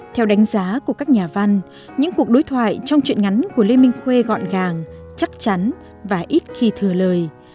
theo đánh giá của các nhà văn những cuộc đối thoại trong chuyện ngắn của lê minh khuê gọn gàng chắc chắn và ít khi thừa lời